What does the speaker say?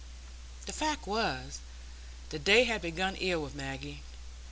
The fact was, the day had begun ill with Maggie.